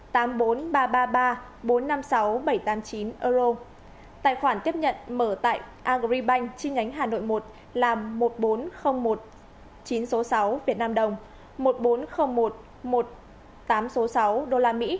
tài khoản tiếp nhận mở tại agribank chi nhánh hà nội một là một mươi bốn một chín trăm sáu mươi sáu vnđ một mươi bốn một một nghìn tám trăm sáu mươi sáu usd